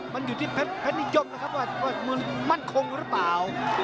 มันอยู่ที่เพชรนิยมนะครับว่ามึงมั่นคงหรือเปล่า